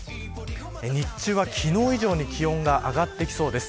日中は、昨日以上に気温が上がってきそうです。